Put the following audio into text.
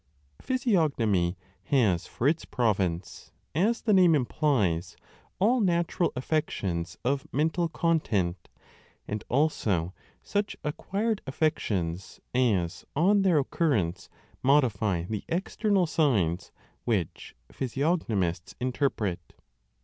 Physiognomy has for its province, as the name implies, all natural affections of mental content, and also such 25 acquired affections as on their occurrence modify the external signs which physiognomists interpret.